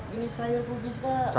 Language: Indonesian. ini sayur kubis kak